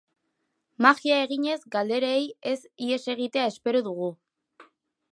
Magia eginez galderei ez ihes egitea espero dugu.